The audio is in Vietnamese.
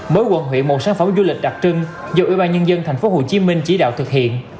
mỗi quận huyện một sản phẩm du lịch đặc trưng do ủy ban nhân dân tp hcm chỉ đạo thực hiện